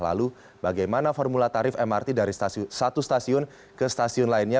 lalu bagaimana formula tarif mrt dari satu stasiun ke stasiun lainnya